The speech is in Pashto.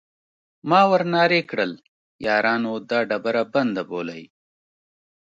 ما ور نارې کړل: یارانو دا ډبره بنده بولئ.